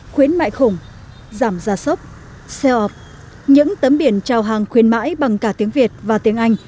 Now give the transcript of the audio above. khuyến mại khủng giảm gia sốc xe ọp những tấm biển trao hàng khuyến mại bằng cả tiếng việt và tiếng anh